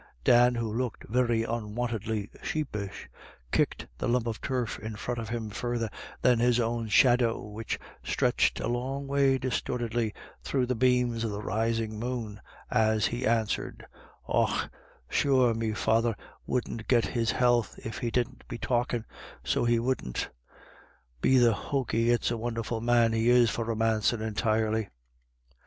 Dan, who looked very unwontedly sheepish, kicked a lump of turf in front of him further than his own shadow, which stretched a long way dis tortedly through the beams of the rising moon, as he answered :" Och, sure me father wouldn't git his health if he didn't be talkin', so he wouldn't Be the hoky, it's a won'erful man he is for romancin* intirely."